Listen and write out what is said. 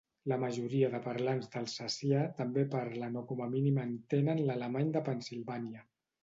La majoria de parlants d'alsacià també parlen o com a mínim entenen l'alemany de Pennsylvania.